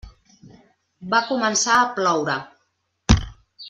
Va començar a ploure.